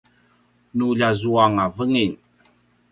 nu ljiazuanga vengin